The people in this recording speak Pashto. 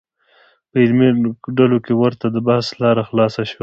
په علمي ډلو کې ورته د بحث لاره خلاصه شوه.